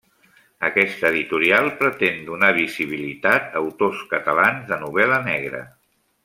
Aquesta editorial pretén donar visibilitat a autors catalans de novel·la negra.